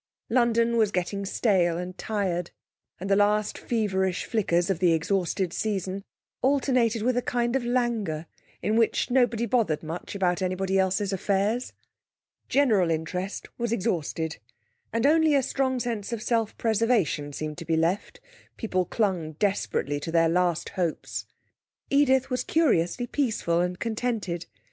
London was getting stale and tired, and the last feverish flickers of the exhausted season alternated with a kind of languor in which nobody bothered much about anybody else's affairs. General interest was exhausted, and only a strong sense of self preservation seemed to be left; people clung desperately to their last hopes. Edith was curiously peaceful and contented.